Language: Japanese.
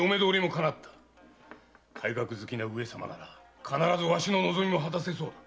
改革好きの上様なら必ずわしの望みも果たせそうだ。